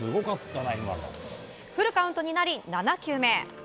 フルカウントになり７球目。